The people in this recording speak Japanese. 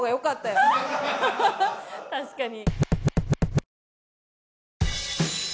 確かに。